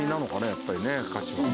やっぱりね価値は。